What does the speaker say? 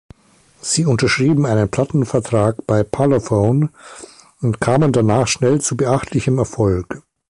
Sie unterschrieben einen Plattenvertrag bei Parlophone und kamen danach schnell zu beachtlichem Erfolg.